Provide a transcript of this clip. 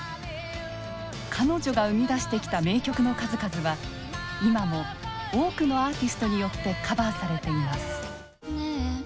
彼女が生み出してきた名曲の数々は今も多くのアーティストによってカバーされています。